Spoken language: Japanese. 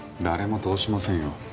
誰も通しませんよ。